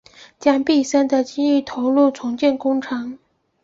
将毕生的精力投入重建工程